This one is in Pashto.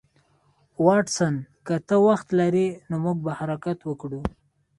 واټسن که ته وخت لرې نو موږ به حرکت وکړو